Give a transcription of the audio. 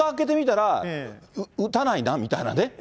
意外とふた開けてみたら、打たないなみたいなね。